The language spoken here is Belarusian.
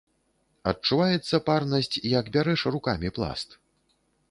Адчуваецца парнасць, як бярэш рукамі пласт.